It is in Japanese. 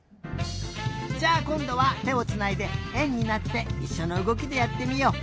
じゃあこんどはてをつないでえんになっていっしょのうごきでやってみよう。